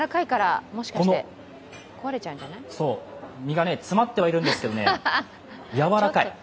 この身が詰まってるんですけどやわらかい。